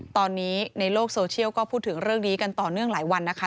ตอนนี้ในโลกโซเชียลก็พูดถึงเรื่องนี้กันต่อเนื่องหลายวันนะคะ